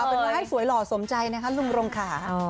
เอาเป็นมาให้สวยหล่อสมใจนะครับรูงรงขา